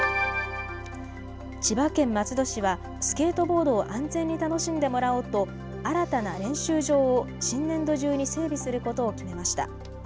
千葉県松戸市はスケートボードを安全に楽しんでもらおうと新たな練習場を新年度中に整備することを決めました。